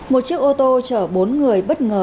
một chiếc ô tô chở bốn người bất ngờ